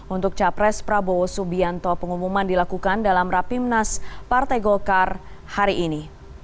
untuk capres prabowo subianto pengumuman dilakukan dalam rapimnas partai golkar hari ini